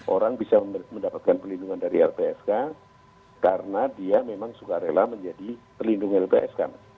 orang bisa mendapatkan perlindungan dari lpsk karena dia memang sukarela menjadi perlindung lpsk